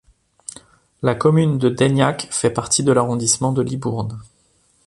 La commune de Daignac fait partie de l'arrondissement de Libourne.